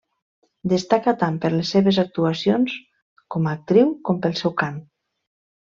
Destaca tant per les seves actuacions com a actriu com pel seu cant.